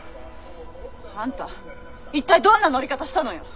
あんた一体どんな乗り方したのよ！